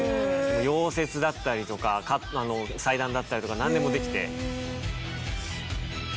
溶接だったりとか裁断だったりとかなんでもできて。